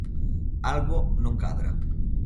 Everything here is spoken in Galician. Algo non cadra.